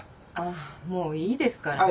あもういいですから。